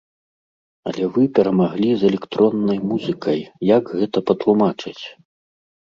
Але вы перамаглі з электроннай музыкай, як гэта патлумачыць?